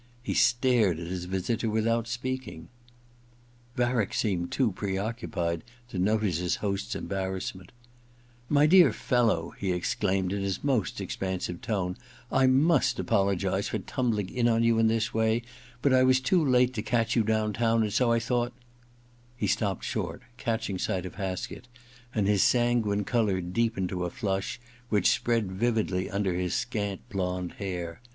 He stared at his visitor without speaking. Varick seemed too preoccupied to notice his host's embarrassment * My dear fellow,' he exclaimed in his most expansive tone, • I must apologize for tumbling in on you in this way, but I was too late to catch you down town, and so I thought ' He stopped short, catching sight of Haskett, and his sanguine colour deepened to a flush which spread vividly under his scant blond hair.